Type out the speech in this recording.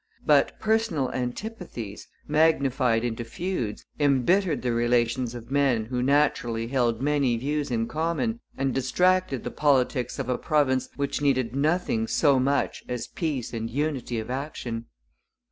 But personal antipathies, magnified into feuds, embittered the relations of men who naturally held many views in common, and distracted the politics of a province which needed nothing so much as peace and unity of action.